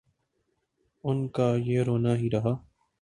ان کا یہ رونا ہی رہا۔